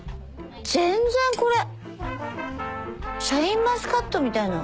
全然これシャインマスカットみたいな。